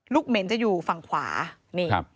ลูกเหม็นจะอยู่ฝั่งขวานี่